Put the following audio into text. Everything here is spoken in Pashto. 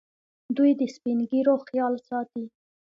دوی د سپین ږیرو خیال ساتي.